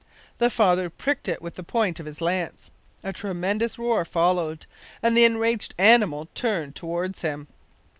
The father pricked it with the point of his lance. A tremendous roar followed, and the enraged animal turned towards him.